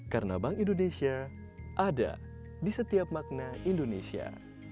karena bank indonesia ada di setiap makna indonesia